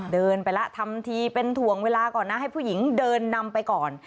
เดินไปแล้วทำทีเป็นถ่วงเวลาก่อนนะให้ผู้หญิงเดินนำไปก่อน